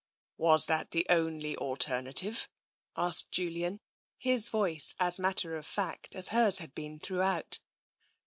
" Was that the only alternative ?" asked Julian, his voice as matter of fact as hers had been through out.